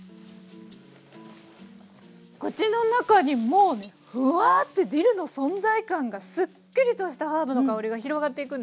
口の中にもうねふわってディルの存在感がすっきりとしたハーブの香りが広がっていくんですね。